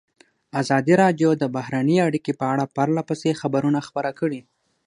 ازادي راډیو د بهرنۍ اړیکې په اړه پرله پسې خبرونه خپاره کړي.